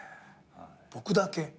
僕だけ？